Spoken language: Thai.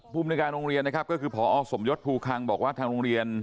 ภูมิในการโรงเรียนนะครับก็คือพอสมยศภูคังบอกว่าทางโรงเรียน